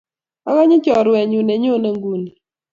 Akanyi chorwet nyun ne nyone nguni.